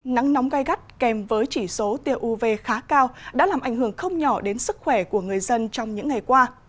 nắng nóng gai gắt kèm với chỉ số tiêu uv khá cao đã làm ảnh hưởng không nhỏ đến sức khỏe của người dân trong những ngày qua